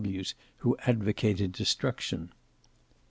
W.W.'s who advocated destruction.